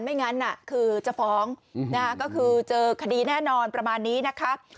ไม่งั้นคือจะฟ้องก็คือเจอคดีแน่นอนประมาณนี้นะคะ